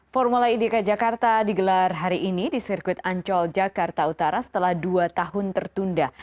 formula e dki jakarta digelar hari ini di sirkuit ancol jakarta utara setelah dua tahun tertunda